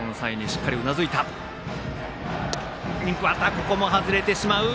ここも外れてしまう。